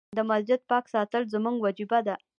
د مسجد پاک ساتل زموږ وجيبه ده.